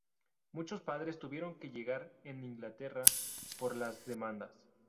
muchos padres tuvieron que llegar en Inglaterra por las demandas